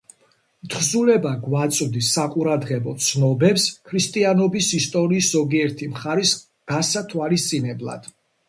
თხზულება გვაწვდის საყურადღებო ცნობებს ქრისტიანობის ისტორიის ზოგიერთი მხარის გასათვალისწინებლად.